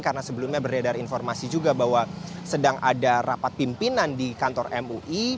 karena sebelumnya beredar informasi juga bahwa sedang ada rapat pimpinan di kantor mui